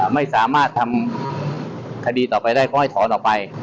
ไม่สามารถทำคดีต่อไปได้ก็ให้ถอนออกไป